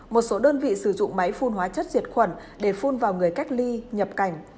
một số đơn vị sử dụng máy phun hóa chất diệt khuẩn để phun vào người cách ly nhập cảnh